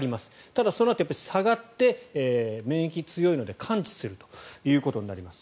ただ、そのあと下がって免疫強いので完治するということになります。